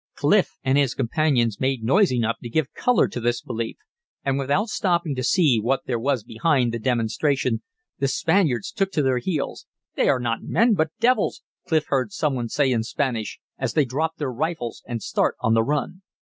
Clif and his companions made noise enough to give color to this belief, and without stopping to see what there was behind the demonstration, the Spaniards took to their heels. "They are not men, but devils!" Clif heard some one say in Spanish, as they dropped their rifles and start on the run.